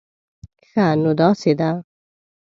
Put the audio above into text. ښه، نو داسې ده